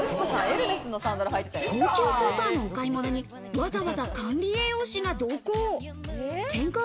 高級スーパーのお買い物に、わざわざ管理栄養士が同行。